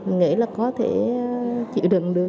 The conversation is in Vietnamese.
nghĩ là có thể chịu đựng được